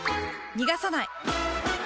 逃がさない！